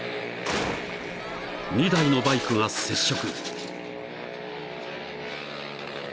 ［２台のバイクが接触］